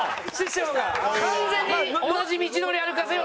完全に同じ道のり歩かせようとしてる。